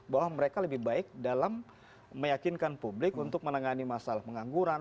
bahwa mereka lebih baik dalam meyakinkan publik untuk menangani masalah pengangguran